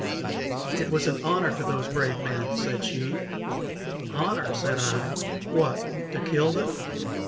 "It was honor to those brave men," said she. "Honor!" said I. "What! to kill them?"